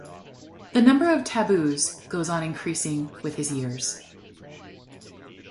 The number of taboos goes on increasing with his years.